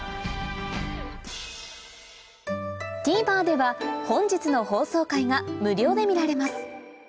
ＴＶｅｒでは本日の放送回が無料で見られます